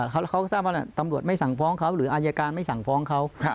เขาก็ทราบว่าตำรวจไม่สั่งฟ้องเขาหรืออายการไม่สั่งฟ้องเขา